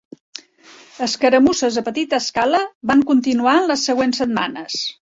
Escaramusses a petita escala van continuar en les següents setmanes.